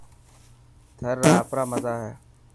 ٿر را آپرا مزا هي.